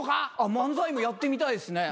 漫才もやってみたいですね。